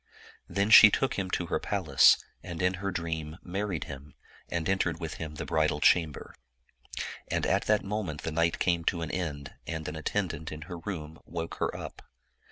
Then she took him to her palace, and in her dream married him, and entered with him the bridal chamber. And at that moment the night came to an end, and an attendant in her room woke her up.